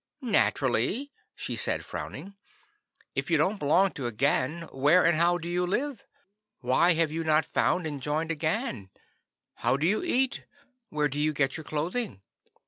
"Naturally," she said, frowning. "If you don't belong to a gang, where and how do you live? Why have you not found and joined a gang? How do you eat? Where do you get your clothing?"